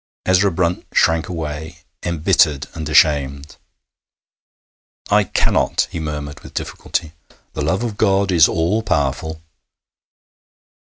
Ezra Brunt shrank away, embittered and ashamed. 'I cannot,' he murmured with difficulty. 'The love of God is all powerful.'